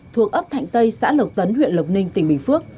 thuộc ấp thạnh tây xã lộc tấn huyện lộc ninh tỉnh bình phước